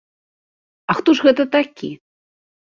А хто ж гэта такі?